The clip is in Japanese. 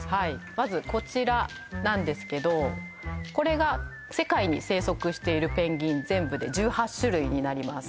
まずこちらなんですけどこれが世界に生息しているペンギン全部で１８種類になります